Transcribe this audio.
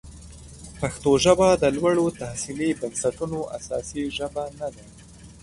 پښتو ژبه د لوړو تحصیلي بنسټونو اساسي ژبه نه ده.